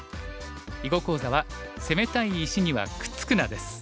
囲碁講座は「攻めたい石にはくっつくな」です。